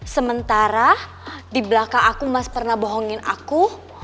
sementara di belakang aku mas pernah bohongin aku